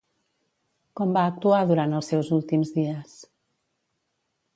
Com va actuar durant els seus últims dies?